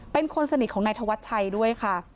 เป็นคนสนิทของนายธวัชชัยด้วยค่ะ